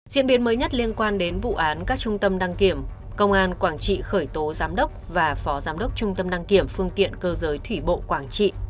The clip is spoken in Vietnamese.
diễn biến mới nhất liên quan đến vụ án các trung tâm đăng kiểm công an quảng trị khởi tố giám đốc và phó giám đốc trung tâm đăng kiểm phương tiện cơ giới thủy bộ quảng trị